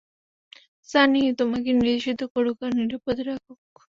সান ইয়ি তোমাকে নির্দেশিত করুক আর নিরাপদে রাখুক।